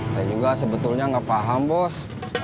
saya juga sebetulnya nggak paham bos